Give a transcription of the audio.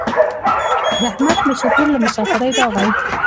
د احمد مشر ورور له مسافرۍ راغی.